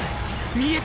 見えた！